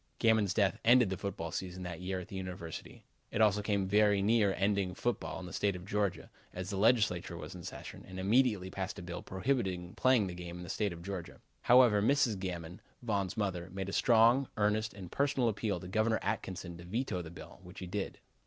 Gammon's death ended the football season that year at the University. It also came very near ending football in the State of Georgia, as the Legislature was in session, and immediately passed a bill prohibiting the playing of the game in the State. However, Mrs. Gammon Von's mother made a strong, earnest and personal appeal to Governor Atkinson to veto the bill, which he did.